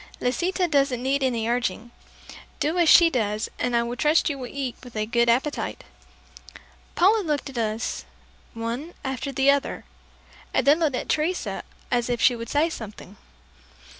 Lisita doesn't need any urging. Do as she does, and I trust you will eat with a good appetite." Paula looked at us, one after the other, and then looked at Teresa as if she would say something.